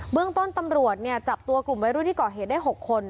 เรื่องต้นตำรวจจับตัวกลุ่มวัยรุ่นที่ก่อเหตุได้๖คน